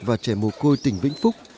và trẻ mồ côi tỉnh vĩnh phúc